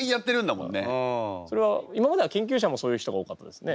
それは今までは研究者もそういう人が多かったですね。